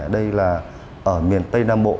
đây là ở miền tây nam bộ